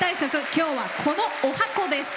今日は、このおはこです。